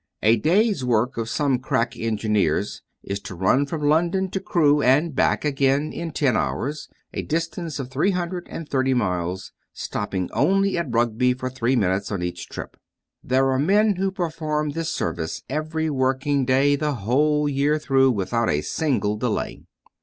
A day's work of some crack engineers is to run from London to Crewe and back again in ten hours, a distance of three hundred and thirty miles, stopping only at Rugby for three minutes on each trip. There are men who perform this service every working day the whole year through, without a single delay.